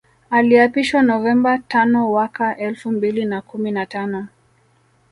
Aliapishwa Novemba tanowaka elfu mbili na kumi na tano